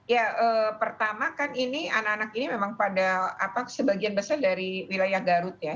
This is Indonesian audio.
ya pertama kan ini anak anak ini memang pada sebagian besar dari wilayah garut ya